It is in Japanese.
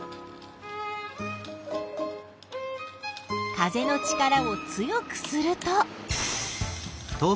風の力を強くすると。